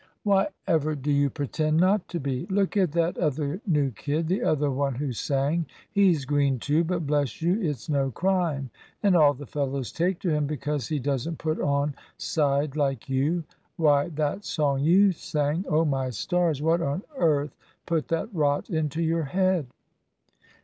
Why ever do you pretend not to be? Look at that other new kid the other one who sang. He's green too; but, bless you, it's no crime, and all the fellows take to him because he doesn't put on side like you. Why, that song you sang oh, my stars! what on earth put that rot into your head?"